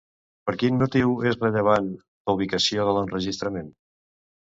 Per quin motiu és rellevant, la ubicació de l'enregistrament?